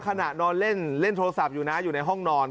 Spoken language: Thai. ขณะนอนเล่นเล่นโทรศัพท์อยู่นะอยู่ในห้องนอน